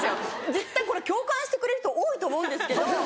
絶対これ共感してくれる人多いと思うんですけど。